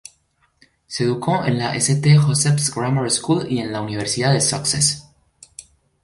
Se educó en la St Joseph's Grammar School y en la Universidad de Sussex.